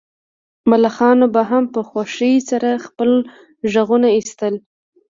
ملخانو به هم په خوښۍ سره خپل غږونه ایستل